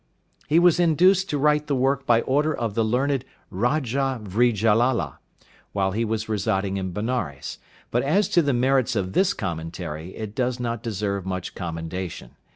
He was induced to write the work by order of the learned Raja Vrijalala, while he was residing in Benares, but as to the merits of this commentary it does not deserve much commendation.